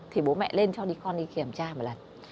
thì bố mẹ lên cho đi con đi kiểm tra một lần